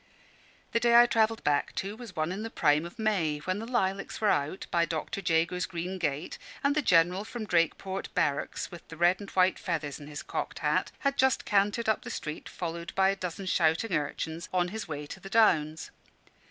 The day I travelled back to was one in the prime of May, when the lilacs were out by Dr. Jago's green gate, and the General from Drakeport Barracks, with the red and white feathers in his cocked hat, had just cantered up the street, followed by a dozen shouting urchins, on his way to the Downs.